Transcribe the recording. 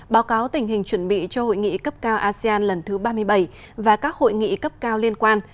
báo cáo tình hình chuẩn bị cho hội nghị cấp cao asean lần thứ ba mươi bảy và các hội nghị cấp cao liên quan